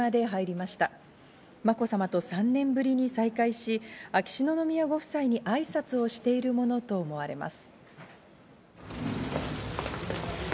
まこさまと３年ぶりに再会し秋篠宮ご夫妻にあいさつをしているものと思われます。